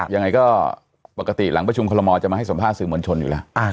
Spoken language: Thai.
ยังไงก็ปกติหลังประชุมคอลโมจะมาให้สัมภาษณ์สื่อมวลชนอยู่แล้ว